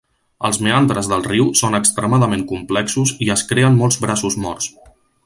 Els meandres del riu són extremadament complexos i es creen molts braços morts.